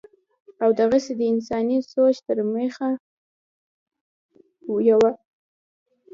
او دغسې دَانساني سوچ تر مېنځه يوه